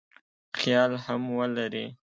خیال هم ولري.